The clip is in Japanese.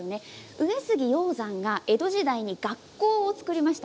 上杉鷹山が江戸時代に学校を作りました。